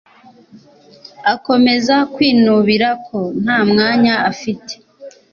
akomeza kwinubira ko nta mwanya afite